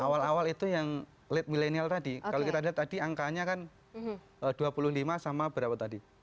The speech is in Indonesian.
awal awal itu yang late milenial tadi kalau kita lihat tadi angkanya kan dua puluh lima sama berapa tadi